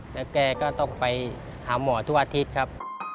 แล้วแกก็ต้องไปหาหมอทุกอาทิตย์ครับ